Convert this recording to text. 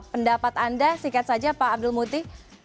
pendapat anda singkat saja pak abdul muti